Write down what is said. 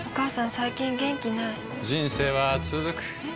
最近元気ない人生はつづくえ？